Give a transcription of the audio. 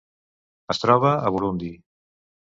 Es troba a Burundi.